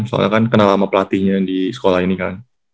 soalnya kan kenal sama pelatihnya di sekolah ini kan